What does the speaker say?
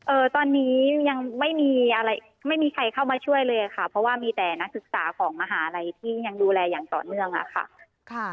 ตอนนี้ยังไม่มีอะไรไม่มีใครเข้ามาช่วยเลยค่ะเพราะว่ามีแต่นักศึกษาของมหาลัยที่ยังดูแลอย่างต่อเนื่องอ่ะค่ะ